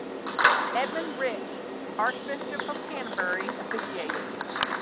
Edmund Rich, Archbishop of Canterbury, officiated.